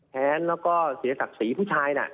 แค้นแล้วก็เสียศักดิ์ศรีผู้ชายน่ะ